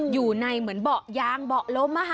อยู่ในเหมือนเบาะยางเบาะล้ม